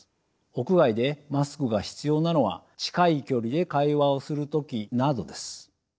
屋外でマスクが必要なのは近い距離で会話をする時などです。